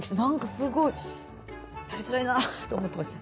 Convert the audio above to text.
すごいやりづらいなと思ってました。